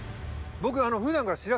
僕。